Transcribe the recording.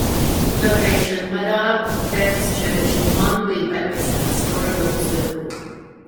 Location: Madhab Baptist Church, Mandwi Baptist Pastoral Circle.